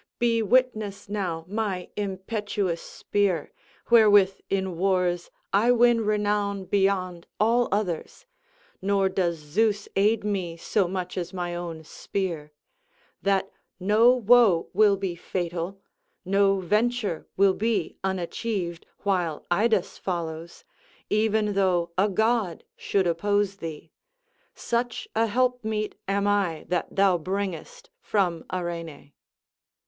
Be witness now my impetuous spear, wherewith in wars I win renown beyond all others (nor does Zeus aid me so much as my own spear), that no woe will be fatal, no venture will be unachieved, while Idas follows, even though a god should oppose thee. Such a helpmeet am I that thou bringest from Arene."